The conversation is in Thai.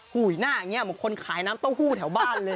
หูยหน้าอย่างนี้มีคนขายน้ำโต้หู้แถวบ้านเลย